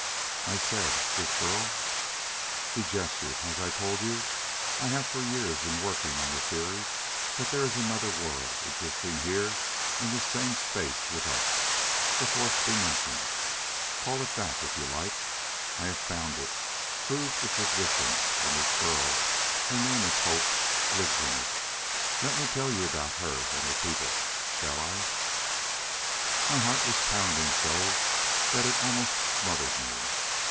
I said, "This girl " He gestured. "As I told you, I have for years been working on the theory that there is another world, existing here in this same space with us. The Fourth Dimension! Call it that it you like. I have found it, proved its existence! And this girl her name is Hope lives in it. Let me tell you about her and her people. Shall I?" My heart was pounding so that it almost smothered me.